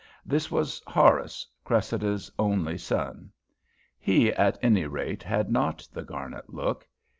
This was "Horace," Cressida's only son. He, at any rate, had not the Garnet look.